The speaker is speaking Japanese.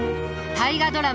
大河ドラマ